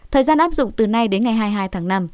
thời gian áp dụng từ nay đến ngày hai mươi hai tháng năm